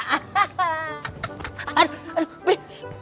aduh aduh be